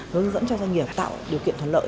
hướng dẫn cho doanh nghiệp tạo điều kiện thuận lợi